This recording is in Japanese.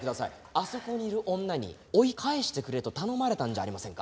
あそこにいる女に追い返してくれと頼まれたんじゃありませんか？